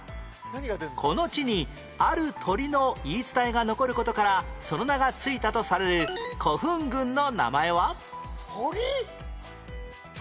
この地にある鳥の言い伝えが残る事からその名が付いたとされる古墳群の名前は？鳥！？